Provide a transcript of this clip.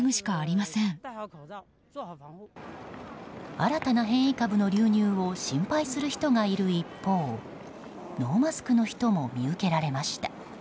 新たな変異株の流入を心配する人がいる一方ノーマスクの人も見受けられました。